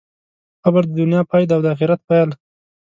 قبر د دنیا پای دی او د آخرت پیل.